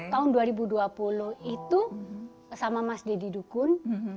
tahun dua ribu dua puluh itu sama mas deddy dukun